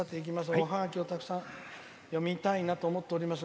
おハガキをたくさん読みたいなと思っております。